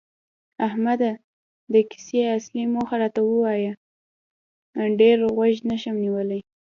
احمده! د کیسې اصلي موخه راته وایه، ډېر غوږ نشم نیولی.